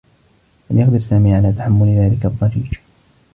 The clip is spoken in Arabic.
لم يقدر سامي على تحمّل ذلك الضّجيج.